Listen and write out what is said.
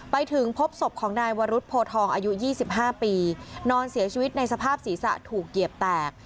ไปถึงพบศพของนายวรุษโพทองอายุ๒๕ปีนอนเสียชีวิตในสภาพศีรษะถูกเหยียบแตก